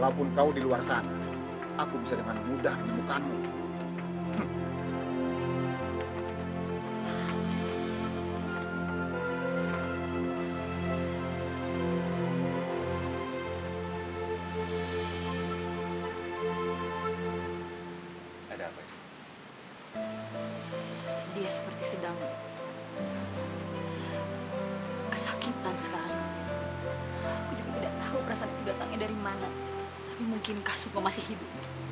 aku ingin menangani wanita tua ini